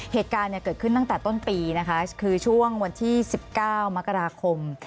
เหตุการณ์เกิดขึ้นตั้งแต่ต้นปีนะคะคือช่วงวันที่๑๙มกราคม